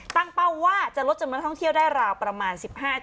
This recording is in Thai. ตั้งเป้าว่าจะลดจำท่องเที่ยวได้ราวประมาณ๑๕๒๐